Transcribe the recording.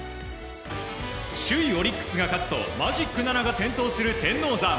首位オリックスが勝つとマジック７が点灯する天王山。